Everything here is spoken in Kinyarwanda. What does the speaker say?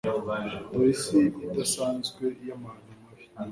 Dore Isi idasanzwe y'amahano mabi